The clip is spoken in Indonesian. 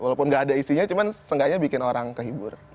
walaupun nggak ada isinya cuman seenggaknya bikin orang kehibur